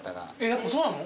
やっぱそうなの？